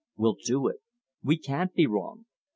"We'll do it! We can't be wrong.